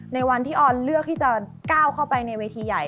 ในวันที่ออนเลือกที่จะก้าวเข้าไปในเวทีใหญ่